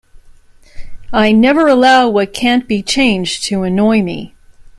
I never allow what can't be changed to annoy me.